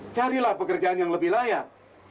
carilah pekerjaan yang lebih layak